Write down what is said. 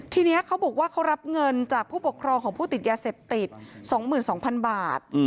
ทีนี้เขาบอกว่าเขารับเงินจากผู้ปกครองของผู้ติดยาเสพติด๒๒๐๐๐บาท